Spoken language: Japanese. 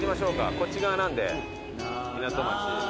こっち側なんで港町。